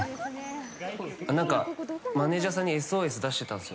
何かマネジャーさんにＳＯＳ出してたんですよ。